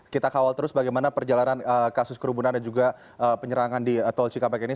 kita kawal terus bagaimana perjalanan kasus kerumunan dan juga penyerangan di tol cikampek ini